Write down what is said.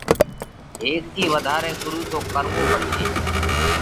ھيڪ ٿِي وڌارئہ ڳرُو تو ڪروو پڙشي۔